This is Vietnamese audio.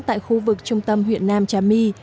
tại khu vực trung tâm huyện nam trà my